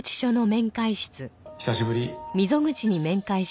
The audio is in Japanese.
久しぶり。